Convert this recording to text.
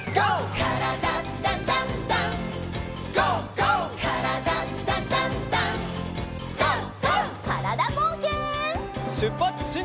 からだぼうけん。